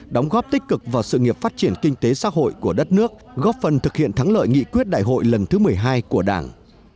đóng góp tích cực vào sự nghiệp phát triển kinh tế xã hội của đất nước góp phần thực hiện thắng lợi nghị quyết đại hội lần thứ một mươi hai của đảng